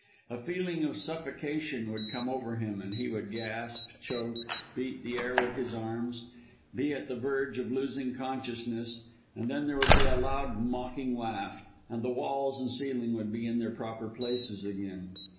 A feeling of suffocation would come over him, and he would gasp, choke, beat the air with his arms, be at the verge of losing consciousness, when there would be a loud, mocking laugh and the walls and ceiling would be in their proper places again.